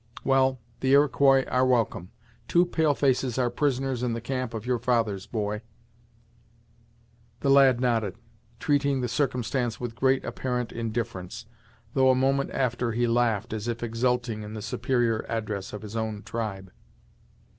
"Well, the Iroquois are welcome. Two pale faces are prisoners in the camp of your fathers, boy." The lad nodded, treating the circumstance with great apparent indifference; though a moment after he laughed as if exulting in the superior address of his own tribe.